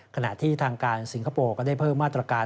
ขณะที่ทางการสิงคโปร์ก็ได้เพิ่มมาตรการ